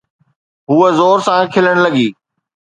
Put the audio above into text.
هوءَ زور سان کلڻ لڳي.